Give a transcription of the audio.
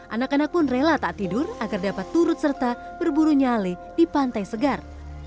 anak anak pun rela tak tidur agar dapat turut serta berburu nyale di pantai segar